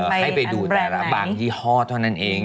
ให้ไปดูแต่ละบางยี่ห้อเท่านั้นเอง